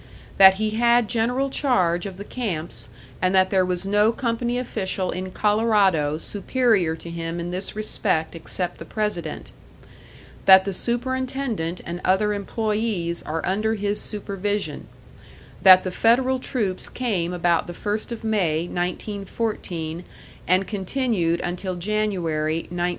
That he had general charge of the camps and that there was no company official in Colorado superior to him in this respect except the president; that the superintendent and other employés are under his supervision; that the Federal troops came about the 1st of May, 1914, and continued until January, 1915.